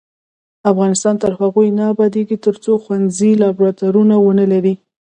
افغانستان تر هغو نه ابادیږي، ترڅو ښوونځي لابراتوارونه ونه لري.